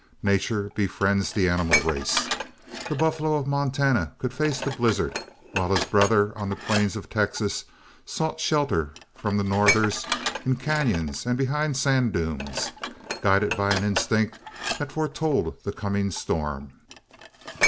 Nature befriends the animal race. The buffalo of Montana could face the blizzard, while his brother on the plains of Texas sought shelter from the northers in cañons and behind sand dunes, guided by an instinct that foretold the coming storm.